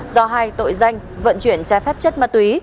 do hai tội danh vận chuyển trái phép chất ma túy